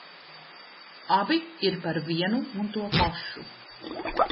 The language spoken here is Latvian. Abi ir par vienu un to pašu.